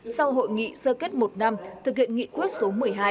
sau hội nghị sơ kết một năm thực hiện nghị quyết số một mươi hai